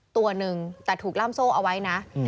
ตัวหนึ่งแต่ถูกล่ามโซ่เอาไว้นะ